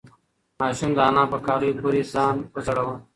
ماشوم د انا په کالیو پورې ځان وځړاوه.